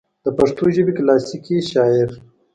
دَپښتو ژبې کلاسيکي شاعر